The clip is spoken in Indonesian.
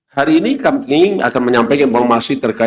hari ini kami akan menyampaikan bahwa masih terkait